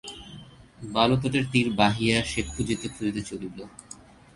বালুতটের তীর বাহিয়া সে খুঁজিতে খুঁজিতে চলিল।